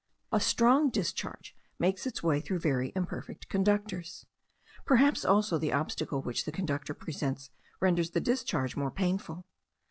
A strong discharge makes its way through very imperfect conductors. Perhaps also the obstacle which the conductor presents renders the discharge more painful.